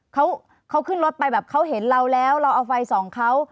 เขาขึ้นรถไปแบบเขาเห็นเราแล้วเราเอาไฟส่องเขา